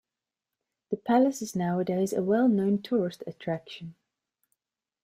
The palace is nowadays a well known tourist attraction.